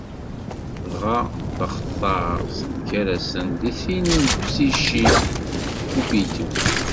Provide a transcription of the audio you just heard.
Dɣa taxtart gar-asent d tin n Psici d Kupidu.